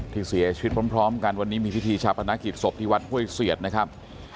ที่เสียชีวิตพร้อมกันวันนี้มีพิธีชาปนกิจศพที่วัดห้วยเสียดนะครับ